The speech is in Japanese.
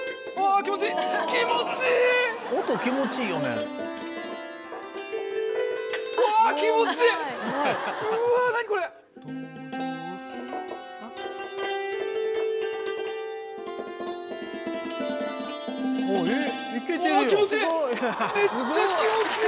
気持ちいいめっちゃ気持ちいい！